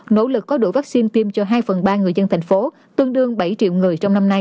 nỗ lực có đủ vaccine tiêm cho hai phần ba người dân thành phố tương đương bảy triệu người trong năm nay